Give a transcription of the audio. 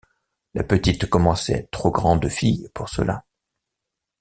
La petite commençait à être trop grande fille pour cela.